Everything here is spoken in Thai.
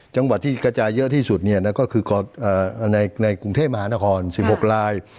จังหวัดที่กระจายเยอะที่สุดก็คือในกรุงเทพมหานคร๑๖ลาย